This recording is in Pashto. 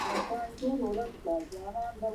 انګلیسي د متحرکو انځورونو ژبه ده